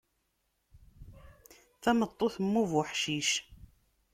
Tameṭṭut mm ubuḥcic.